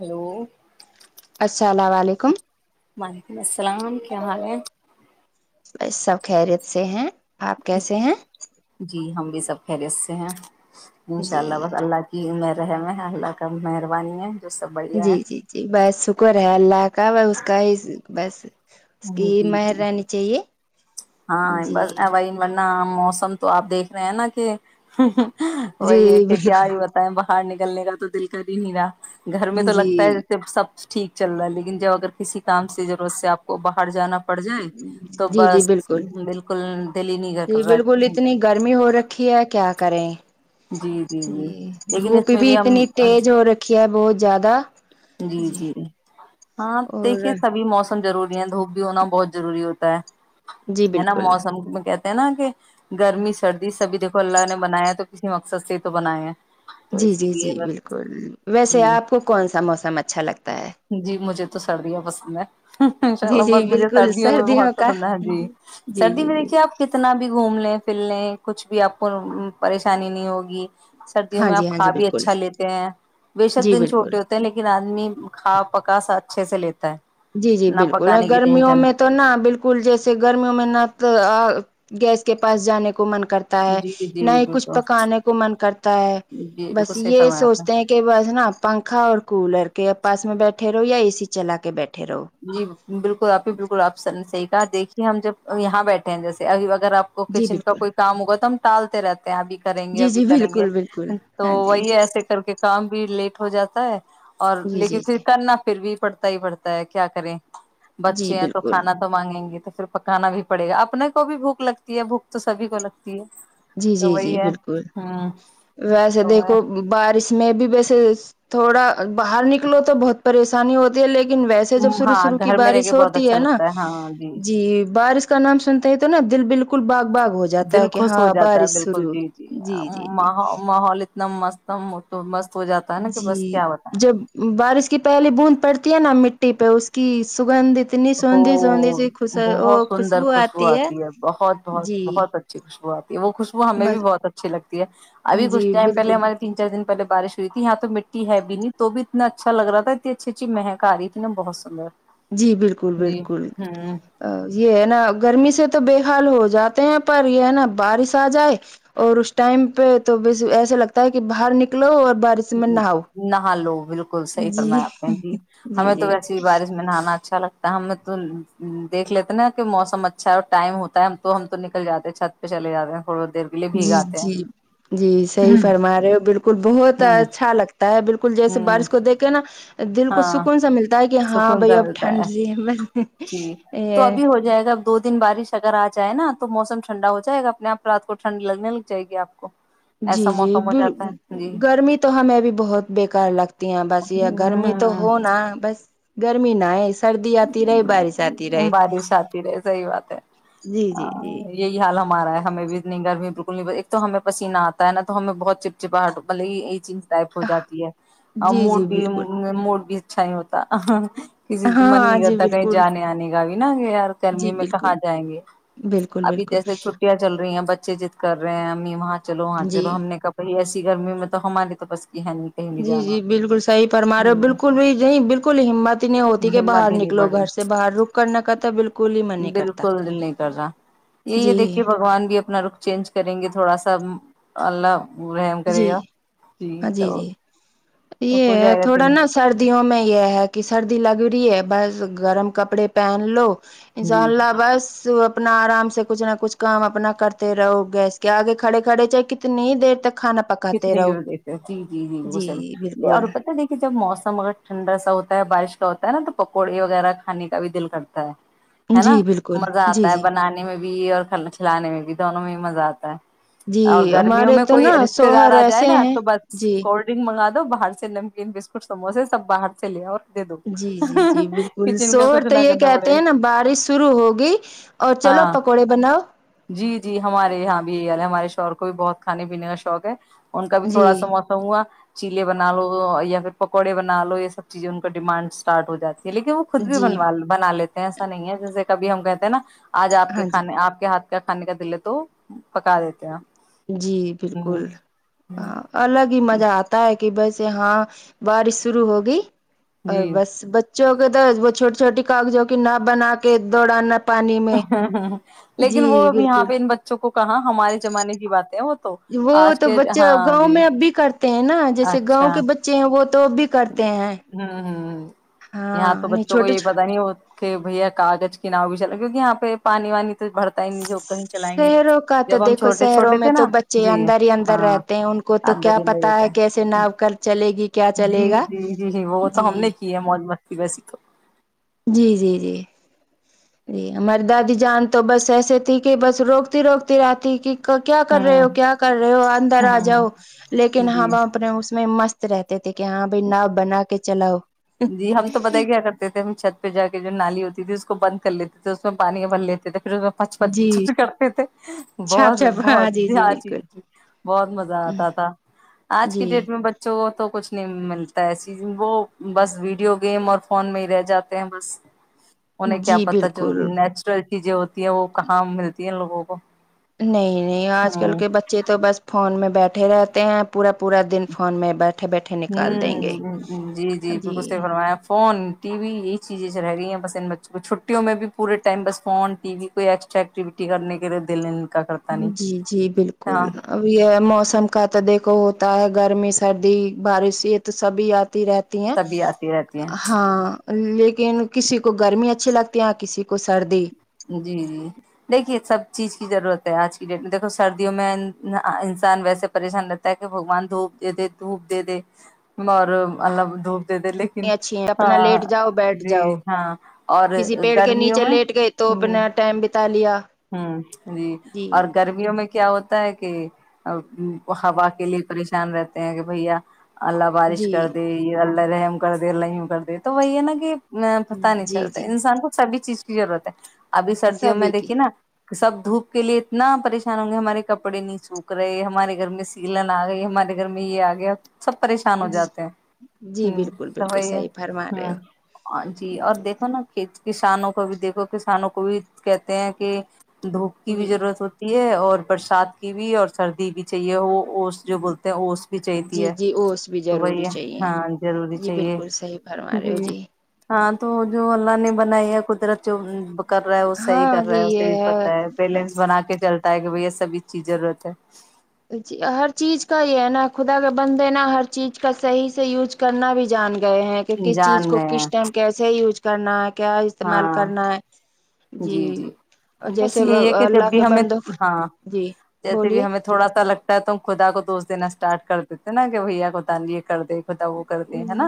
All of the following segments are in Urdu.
ہلو السلام علیکم وعلیکم السلام کیا حال ہے بس سب خیریت سے ہیں آپ کیسے ہیں جی ہم بھی سب خریت سے ہیں انشاء جی اللہ بس اللہ کی رہم ہے اللہ کا مہربانی ہے جو سب بڑھیا جی ہے جی جی بس شکر ہے اللہ کا کہ ب اس کا ہی بس اس کی جی جی مہرانی چاہیے ہاں جی بس اوائن نا موسم تو آپ دیکھ رہے ہیں نا کہ جی وہی ہے کہ کیا بالکل ہے بتایں ب ہار نکلنے کا تو دل کر ہی نہیں نا گھر میں تو لگتا ہے جی جیسے سب ٹھیک چل رہا ہے لیکن جب اگر کسی کام سے ضرورت سے آپ کو باہر جانا پڑ جائے تو جی جی بس بالکل [inaudible] دل ہی نہیں بالکل جی کر رہا کہ بالکل کہیں جائے اتنی گرمی ہو رکھی ہے کیا کریں [inaudible] جی جی لیکن دھوپ اس میں بھی ہم اتنی تیز ہو رکھی ہے بہت زیادہ [inaudible] جی جی ہاں اور دیکھیے سبھی موسم ضرور دھوپ بھی ہونا بہت ضروری ہوتا ہے جی ہے نا بالکل موسم میں کہ [inaudible] نا کہ گرمی سردی سبھی دیکھو اللہ نے بنایا تو کسی مقصد سے ہی تو بنایا ہے تو جی اسی جی لیے جی بس بالکل ویسے جی آپ کو کون سا موس جی مجھے تو سردیاں پسند ہیں ان شاء جی اللہ جی بس مجھے بالکل سردیوں میں بہت کا پسند ہے جی جی سردی جی میں جی دیکھیے آپ کتنا بھی گھوم لیں [inaudible] پلنے کچھ بھی آپ کو پریشانی نہیں ہوگی سردیوں ہاں میں جی آپ ہاں کھا جی بھی بالکل اچھا لیتے ہیں بےشک جی دن بالکل چھوٹے ہوتے ہیں لیکن آدمی کھا پکا سا اچھے سے لیتا ہے جی جی نہ بالکل اور پکانے کی گرمیوں ٹینشن میں تو نہا بالکل جیسے گرمیوں میں نہ تو گیس کے پاس جانے کو کو من کرتا ہے جی جی نہیں ہی کچھ بالکل پکانے کو من کرتا ہے جی بالکل بس صحیح یہ فرمایا آپ نے سوچتے ہیں کہ بس نا پنکھا اور کولر کے اس میں بیٹھے رہو یا اےی چلا کے بیٹھے رہو جی بالکل آپ ہی بالکل آپ صحی کہا دیکھیے ہم جب یہاں بیٹھے ہیں جیسےبھی وقت اگر آپ کو جی کچن کا بالکل کوئی کام ہوگا تو ہم ٹالتے رہتے ابھی کریں گے جی ابھی جی کریں گے بالکل بالکل تو ہاں جی وہی ایسے کر کے کام بھی لیٹ ہو جاتا ہے اور جی لیکن جی پھر جی کرنا پھر بھی پڑتا ہی پڑتا ہے کیا کریں جی بچے ہیں تو بالکل کھانا تو مانگیں گے تو پھر پکانا بھی پڑے گا اپنے کو بھی بھوک لگتی ہے بھوک تو سبھی کو لگتی ہے جی تو جی جی وہی ہے بالکل ہوں ویسے تو دیکھو بارش میں بھی وس تھوڑا باہر نکلو تو بہت پریشانی ہوتی ہے لیکن ن ویسے جب شروع ہاں شرو کی گھر میں رہ کے بارش بہت ہوتی اچھا ہے نا لگتا ہاں جی بارش کا نام سنتے ہی تو نا دل بالکل باگ باغ ہو جاتا دل ہے کہ خوش ہاں ہو جاتا بالکل جی جی جیح جی جی ماح اتم مست تو م جی جب بارش کی پہلی بوند پڑتی ہے نا م ٹیپ ہے اس کی سگندھ اتنی وہ سوندھی سوندھی سی خوش بہت وہ سندر خوشبو آتی ہے بہت بہت جی بہت اچھی خوشبو آتی ہے وہ خوشبو ہمیں بھی بس بہت اچھی لگتی ہے ابھی کھ جی ٹائم پہلے بالکل ہمارے تین چار دنہلے بارش ہوئی تھی یہاں تو مٹی ہے بھی نہیں تو بھی اتنا اچھا لگ رہا تھا اچھی اچھی مہنک آ رہی تھی ن بہت سندر جی بالکل جی بالکل ہوں بالکل یہ ہے نا گرمی سے تو بے ہل ہو جاتے ہیں پر یہ ہے نا بارش آ جائے اور اس ٹائم پہ تو ب ایسا لگتا ہے کہ باہر نکلو اور بارش میں نہاؤ نہا لو بالکل صحیح جی فرمایا آپ ہیں جی جی ہمیں تو جی ویسیے ہی بارش میں نہانا اچھا لگتا ہے ہمیں تو دیکھ لیتے نا کہ موسم اچھا ہے ٹائم ہوتا ہے تو ہم تو نکل جاتے ہیں چھت پہ چلے جاتے ہیں تھوڑی دیر کے لیے جی بھیگاتے ہیں جی جی صحیح ہوں فرما رہے ہو بالکل بہت اچھا لگتا ہے بالکل اسکول ہوں جیسےارش کو دیکیں نا بس دل کو ہاں سکون سا ملتا ہے کہ ہاں سکون سا بھائی اب ملتا ٹھنڈ ہے سی جی تو یہ ابھی ہو جائے گا ب دو دن بارش اگر آ جائے نا تو موسم ٹھنڈا ہو جائے گا اپنے آپ رات کو ٹھنڈ لگنے لگ جائے گی آپ کو جی ایسا جی موسم ہو جاتا ہے جی گرمی تو ہمیں بھی بہت بیکار لگتا تی بس یہ گرمی تو ہ ہوناا بس گرمی نہ ہے سردی آتی رہے بارش آتی رہے بارش آتی رہے صحی بات ہے جی جی جی یہی حال ہم مارا ہے ہمیں بھی نہیں گرمی بالکل نہیں ایک تو ہمیں پسینہ آتا ہے نہا تو ہمیں بہت چپ چپاہٹ بلے یہ چیز ٹائپ ہو جاتی ہے اور جی موڈ جی بھی بالکل مو بھی اچھا ہی ہوتا من ہاں نہیں جی کرتا کہیں بالکل جانے آنے کا بھی نا یار جی گرمی میں بالکل کہاں جائیں گے بالکل ابھی بالکل جیسے چھٹیاں چل رہی ہیں بچ چ کر رہے ہیں ہم یہاں چلو ہاں جی چلو ہم نے کہاائی ایس گرمی میں تو ہماری تو پس جی جی بالکل صحی پرمارے بالکل بھی یہی بالکل ہمت ہی نہیں ہوتی کہ باہر ہمت ہی نہیں نکلو پڑی گھر سے باہر رک کرنا کا تو بالکل ہی من نہیں کرتا بالکل دل نہیں کر رہا یہی ہے جی دیکھیے بھگوان بھی اپنا رخ چینج کریں گے تھوڑا سا اللہ رحم کرے جی گا ج ہاں جی جی تو ہو یہ جائے گا تھوڑا تین نا سردیوں میں یہ ہے کہ سردی لگ ہو ہے بس گرم کپڑے پہن لو انشاء جی اللہ بس اپنا آرام سے کچھ نہ کچھ کام اپنا کرتے رہو گیس کے آگے کھڑے کھڑے چ کتنی دیر تک کھانا پکاتے کتنی کی رہو دیتے جی جی جی وہ ص اور پت دیکے جب موسم اگر ٹھنڈا سا ہوتا ہے بارش کا ہوتا ہے نا تو پکوڑے وغیرہ کھانے کا بھی دل کرتا ہے ہے نا جی بالکل مزہ جی آتا ہے جی بنانے میں بھی اورل کھلانے میں بھی دونوں میں بھی مزہ آتا ہے اور جی گرمیوں ہمارے میں تو کوئی نا ر دار شوہر آ جائے ایسے نا ہیں تو بس جی کولڈ ڈرنک منگا باہر سے نمکین بسکٹ سموسے سب باہر سے لے اور دے دو جی جی جی بالکل کچن کا شور کچھ تو نہ یہ کرنا کہتے پڑے ہیں نا بارش شروع ہوگی اور چلو ہاں پکوڑے بناؤ جی جی ہمارے یہاں بھی یہی حال ہے ہمارے شہر کو بھی بہت کھے پینے کا شوق ہے ان کا بھی جی تھوڑا سا موسم ہوا چیلے بنا لو یا پھر پکوڑے بنا لو یہ سب چیزیں ان کا ڈیمانڈ اسٹارٹ ہو جاتی لیکن وہ خود بھی جی بنو بنا لیتے ایسا نہیں ہے جیسے کبھی ہم کہتے ہیں نا آج آپ کے ہاں جی کھانے آپ کے ہاتھ کھانے کا دل تو پکا دیتے ہیں جی بالکل ہ ہاں الگ ہی مزہ آتا ہے کہ بیسے ہاں بارش شرو ہوگی اور جی بس بچ چک د وہ چھوٹی چھوٹی کاغذوں کی نہ بنا کے دوڑانا پانی ہ میں ہ جی لیکن وہ اب یہاں بالکل پہ ان بچوں کو کہاں ہمارے زمانے کی بات ہے وہ تو وہ آج تو کے بچے ہاں گاؤں جی میں اب بھی کرتے ہیں نا جیسے گاؤں کے اچھا بچے ہیں وہ تو بھی کرتے ہیں ہوں ہوں یہاں ہاں تو نہیں بچوں کو چھوٹے یہ پتا نہیں ہوتے بھیا کاغذ کی نؤ بھی چل کیک یہ پہ پانی وانی تو بھرتا ہی نہیں جو کہیں چلائیں گے شہروں کا تو جب ہم دیکھو چھوٹے شہروں چھوٹے میں تھے تو نا بچے جی اندر ہی اندر ہاں رہتے ہیں ان کو تو اندر کیا ہی میں پتا ہے رہتا کیسے ناو کر چلے گی کیا جی چلے گا جی جی جی وہ تو ہم نے کی ہے موج مستی میں رسک جی جی جی جی ہماری دادی جان تو بس ایسے تھی کہ بس روکتی روکتی رہتی کہ کیا کر رہے ہو ہوں کیا کر رہے ہو اندر آ ہوں جاؤ لیکن ہاں جی باپ نے اس میں مست رہتے تھے کہ ہاں بھائی ن بنا کے چلاؤ جی ہم تو پتا ہی کیا کرتے تھے ہم چھ پہ جا کے جو نالی ہوتی تھی اس کو بند کر لیتے تھے اس میں پانی بھر لیتے تھے پھر پچ جی پچ کرتے تھے چھاپ بہت چھاپ ہاں بہت جی د جی چ بالکل ت بہت مزہ آتا تھا آج کی جی ڈیٹ میں بچوں تو کچھ نہیں ملتا ایسیز وہ بس ویڈیو گیم اور فون میں ہی رہ جاتے ہیں بس انہیں کیا جی پتا جو بالکل نیچرل ج جوے ہو وہ کہاں ملتی د لوگوگا نہیں نہیں آج کل کے بچے تو بس فون میں بیٹھے بیٹھے رہتے ہیں پورا پورا دن فون میں بیٹ ہوں جی جی بالک ص سے فرمایا فون ٹی وی یہی چیزیں رہ گئی ہیں بس ان بچوں کو چھٹیوں میں بھی پورے ٹائم بس فن ٹی وی کوئی ایکسٹرا ایکٹیویٹی کرنے کے لیے دل کا کرتا نہیں جی جی بالکل ہاں اب یہ موسم کا تو دیکھو ہوتا ہے گرمی سردی بارش یہ تو سبھی یا رہتی ہیں تبھی آتی رہتی ہیں ہاں لیکن کسی کو گرمی اچھی لگتی ہے کسی کو سردی جی جی دیکھیے سب چیز کی ضرورت ہے آج کی ڈیٹ میں دیکھو سردیوں میں انسان ویسے پریشان رہتا ہے کہ بگوان دھوپ دے دے دھوپ دے دے اور اللہ دھوپ د د لیکن اچھی ہے اپنا ہاں لیٹ جاؤ بیٹھ جی جاؤ ہاں اور کسی پیڑ کے گرمیوں نیچے میں لیٹ گئے تو ہوں اپنا ٹائم ب تالیا ہوں جی اور گرمیوں میں کیا ہوتا ہے کہ ہوا کے لیے پریشان رہتے ہیں کہ بھیا اللہ بارش جی کر دے اللہ رحم کر دے لم کر دے تو وہی ہے نا کہ میں پتہ نہیں جی چلتا جی انسان کو سبھی چیز جرورت ہے ابھی سردیوں میں سبھی کی دیکھی نا سب دھوپ کے لیے اتنا پریشان ہوں گے ہمارے کپڑے نہیں سوکھ رہے ہمارے گھر میں سیلن آ گئی ہمارے گھر میں یہ آ گیا سب پریشان ہو جی جاتے ہیں جی ہ بالکل تو بالکل وہی ہے صحیح فرما رہے ہو ہ جی اور دیکھو نا ک کسانوں کو بھی دیکھو کسانوں کو بھی کہتے ہیں کہ دھوپ کی بھی جی ضرورت ہوتی اور برسات کی بھی اور سردی بھی چاہیے وہ اوس جو بولتے ہیں اوس بھی چاہیتی جی ہے جی اوس بھی تو ضروری وہی چاہیے ہاں ضروری جی چاہیے بالکل صحیح فرما رہے ہو جی ہاں تو جو اللہ نے بنائی ہے قدرت جو کر رہا ہے وہ صحیح ہاں رہا جی ہے سے یہ پتتا ہے پلنس بنا کے چلتا ہے کہ بھ سبھی چیز ضرورت ہے جی ہر چیز کا یہ ہے نا خدا کا بند د نا ہر چیز کا صحیح سے یوز کرنا بھی جان گئے ہیں کہ ہے کس چیز جان کو گئے کس ہیں ٹائم کیسے یوز کر کرنا کیا استعمال ہاں کرنا ہے جی جی اور بس جیسے یہی ہے کہ جب اللہ بھی کے ہمیں بندوں ہاں جی جیسے بھی بولیے ہمیں تھوڑا لگتا ہے تو ہم خدا کو دوست دین اسٹارٹ کر دیتے ہیں نا کہ بھیا کو تان لیے کر د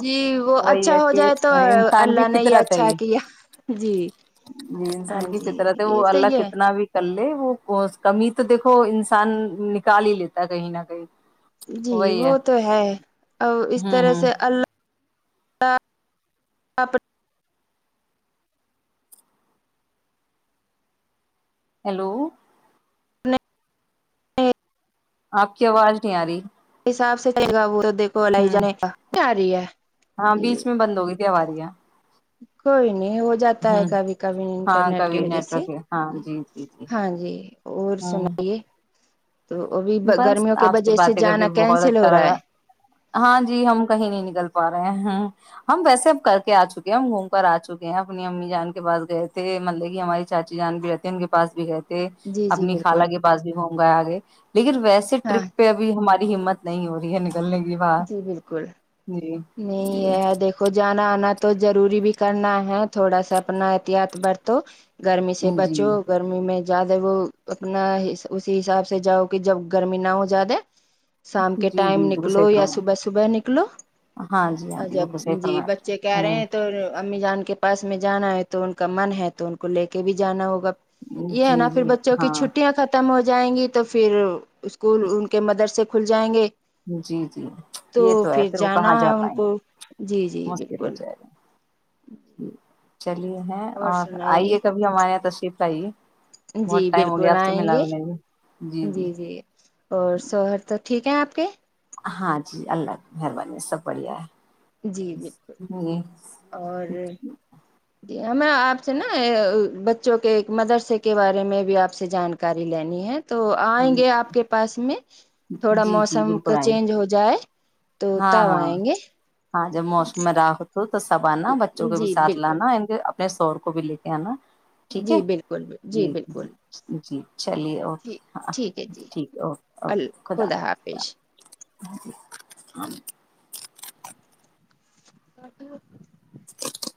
جی وہ اچھا ہے ہو کہ جائے تو انسان کی اللہ نے یہ فطرت ہے اچھا کیا جی جی ہاں انسان کی جی فترحت ہے یہ وہ تو اللہ یہ کتنا بھی کر لے وہ کمی تو دیکھو انسان نکال ہی لیتا ہے کہیں نہ کہیں جی وہ تو ہے اور اس ہوں طرح ہوں سے اللہ [inaudible] ہیلو اپنے آپ کی آواز نہیں آ رہی [inaudible] کول آئی ہوں جنے تاری ہے ہاں ج بیچ میں بند ہو گئی تھی ہماری یہاں کوئی نہیں ہو جاتا ہے ہوں کبھی کبھی ہاں انٹرنیٹ کی کبھی وجہ سے نیٹورک ہے ہاں ج جی جی ہاں جی اور ہاں سنائیے تو ابھی بس گرمیوں کے آپ سے وجہ باتیں کر کے جانا بہت کینسل ہو اچھا رہا لگا ہے ہاں جی ہم کہیں نہیں نکلتے پا رہے ہیں ہم ویسے اب کر کے آ چکے ہیں ہم گھوم کر آ چکے ہیں اپنی امی جان کے پاس گئے تھے مطلب کہ ہماری چاچی جان بھی رہتی ان کے پاس بھی گئے تھے جی جی اپنی خا بالکل لاگے باز بھی ہو باے لیکن ویسے ہاں ٹرپ پہ ابھی ہماری ہمت نہیں ہو رہی ہے ن جی بالکل نہیں جی ہے دیکھو جان آنا تو ضروری بھی کرنا ہے تھوڑا سا اپنا احتیاط برت گرمی سے جی بچو گرمی میں زیادہ وہ اپنا اسی حساب سے جاؤ کہ جب گرمی نہ ہو زیادہ شام کے جی ٹائم جی نکل بالکل نکلو صحیح یا فرمایا صبح صبح نکلو ہاں جی ہاں جی جب بالکل صحیح جی فرمایا بچے کہہ رہے ہاں ہیں تو امی جان کے پاس میں جانا ہے تو ان کا من ہے تو ان کو لے کے بھی جانا ہوگا یہ ہے جی نا پھر جی بچوں کی ہاں چھٹیاں ختم ہو جات جائیں گی تو پھر اسکول ان کے مدر سے کھل جائیں گے جی جی یہ تو ہے پھر وہ جانا کہاں ہے جا ان پائیں کو گے جی جی مشکل ہو بالکل جائے گا [inaudible] چلیے ہیں اور آئیے کبھی ہمارے یہاں تشریف بھائی جی بالکل آئیں گے جی جی اور شوہر تو ٹھیک ہے آپ [inaudible] ہاں جی اللہ کی مہربانی سب بڑھیا ہے جی بالکل اور جی ہمیں آپ سے نا بچوں کے ایک مدرسے کے بارے میں بھی آپ سے جانکاری لینی ہے تو آئیں گے آپ کے پاس میں تھوڑا جی جی موسم بالکل کا آئیں چینج ہو جائے تو ہاں تب ہاں آئیں گے ہاں جب موسم میں راہت تو سب آنا بچوں کے بھی جی سھ بالکل لانا ان کے سور کو بھی لے کے ہیں نا ٹھیک ہے جی بالکل جی جی جی چلیے اوکے ج ہاں ٹھیک ہے جی ٹھیک اوکے اللہ خدا حافظ ہاں ہاں جی